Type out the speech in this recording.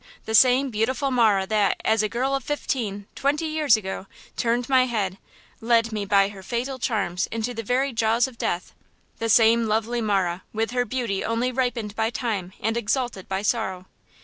the same beautiful Marah that, as a girl of fifteen–twenty years ago–turned my head, led me by her fatal charms into the very jaws of death–the same lovely Marah with her beauty only ripened by time and exalted by sorrow!"